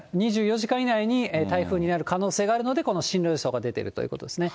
２４時間以内に台風になる可能性があるので進路予想が出ているということですね。